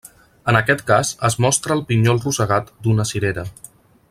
En aquest cas es mostra el pinyol rosegat d'una cirera.